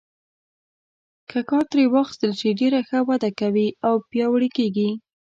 که کار ترې واخیستل شي ډېره ښه وده کوي او پیاوړي کیږي.